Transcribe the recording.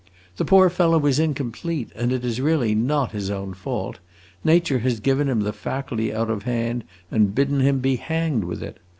The poor fellow is incomplete, and it is really not his own fault; Nature has given him the faculty out of hand and bidden him be hanged with it.